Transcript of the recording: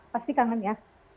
pasti kangen ya